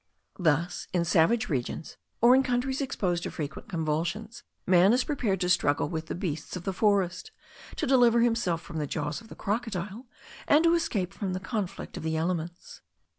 Thus, in savage regions or in countries exposed to frequent convulsions, man is prepared to struggle with the beasts of the forest, to deliver himself from the jaws of the crocodile, and to escape from the conflict of the elements.